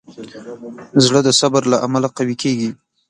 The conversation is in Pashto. زړه د صبر له امله قوي کېږي.